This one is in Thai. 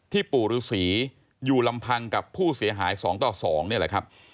ปู่ฤษีอยู่ลำพังกับผู้เสียหาย๒ต่อ๒นี่แหละครับ